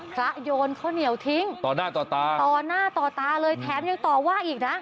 โยนข้าวเหนียวทิ้งต่อหน้าต่อตาต่อหน้าต่อตาเลยแถมยังต่อว่าอีกนะ